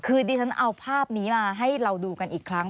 คือดิฉันเอาภาพนี้มาให้เราดูกันอีกครั้ง